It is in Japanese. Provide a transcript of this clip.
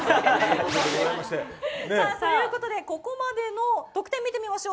ということでここまでの得点を見てみましょう。